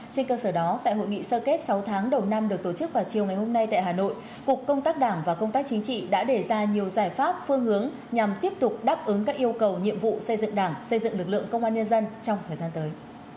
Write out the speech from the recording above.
trên cơ sở đó tại hội nghị sơ kết sáu tháng đầu năm được tổ chức vào chiều ngày hôm nay tại hà nội cục công tác đảng và công tác chính trị đã đề ra nhiều giải pháp phương hướng nhằm tiếp tục đáp ứng các yêu cầu nhiệm vụ xây dựng đảng xây dựng lực lượng công an nhân dân trong thời gian tới